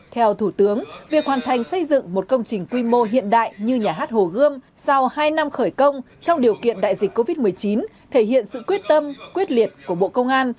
theo thủ tướng việc hoàn thành xây dựng một công trình quy mô hiện đại như nhà hát hồ gươm sau hai năm khởi công trong điều kiện đại dịch covid một mươi chín thể hiện sự quyết tâm quyết liệt của bộ công an